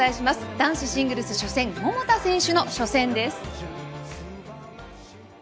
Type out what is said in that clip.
男子シングルス初戦桃田選手の初戦です。